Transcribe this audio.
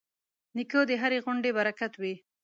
نیکه د هرې غونډې برکت وي.